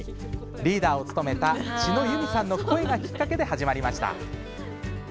リーダーを務めた千野夢実さんの声がきっかけで始まりました。